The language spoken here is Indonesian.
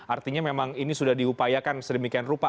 artinya memang ini sudah diupayakan sedemikian rupa